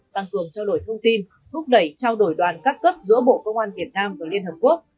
tăng cường trao đổi thông tin thúc đẩy trao đổi đoàn các cấp giữa bộ công an việt nam và liên hợp quốc